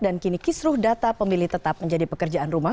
dan kini kisruh data pemilih tetap menjadi pekerjaan rumah